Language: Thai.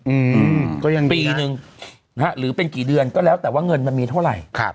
อืมก็ยังปีหนึ่งนะฮะหรือเป็นกี่เดือนก็แล้วแต่ว่าเงินมันมีเท่าไหร่ครับ